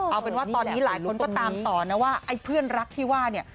เอาเป็นว่าตอนนี้หลายคนก็ตามต่อนะว่าไอ้เพื่อนรักที่ว่าเนี่ย